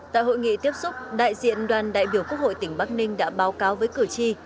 tại hội nghị tiếp xúc đại diện đoàn đại biểu quốc hội tỉnh bắc ninh đã báo cáo với cử tri